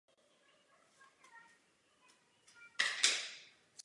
V rodném městě navštěvoval základní školu a gymnázium.